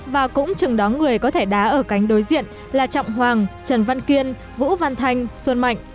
và cũng chừng đó người có thể đá ở cánh đối diện là trọng hoàng trần văn kiên vũ văn thanh xuân mạnh